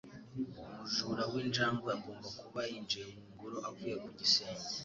Umujura w'injangwe agomba kuba yinjiye mu ngoro avuye ku gisenge